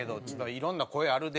「いろんな声あるで」